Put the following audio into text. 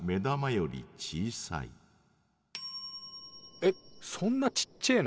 えそんなちっちぇえの？